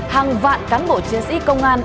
hàng vạn cán bộ chiến sĩ công an